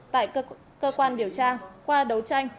tại cơ quan điều tra qua đấu tranh